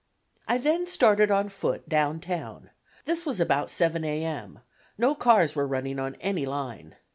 I then started on foot down town, this was about 7 A. M.; no cars were running on any line.